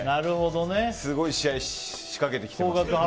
すごい試合仕掛けてきていますよ。